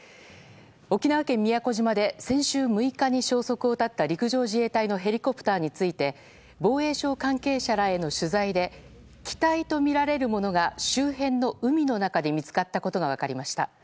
沖縄県宮古島で先週６日に消息を絶った陸上自衛隊のヘリコプターについて防衛省関係者らへの取材で機体とみられるものが周辺の海の中で見つかったことが分かりました。